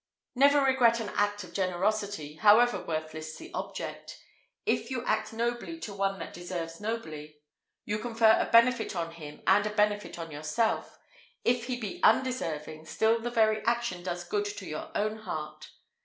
Never regret an act of generosity, however worthless the object. If you act nobly to one that deserves nobly, you confer a benefit on him and a benefit on yourself: if he be undeserving, still the very action does good to your own heart.